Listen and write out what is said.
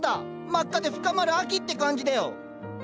真っ赤で深まる秋って感じだよ。